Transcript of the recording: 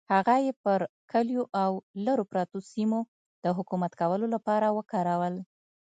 هغه یې پر کلیو او لرو پرتو سیمو د حکومت کولو لپاره وکارول.